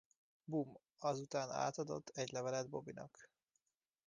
Bum ezután átadott egy levelet Bobby-nak.